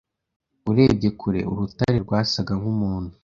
Urebye kure, urutare rwasaga nkumuntu.